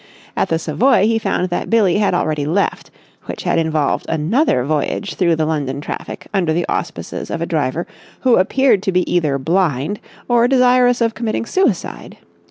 At the Savoy he found that Billie had already left, which had involved another voyage through the London traffic under the auspices of a driver who appeared to be either blind or desirous of committing suicide.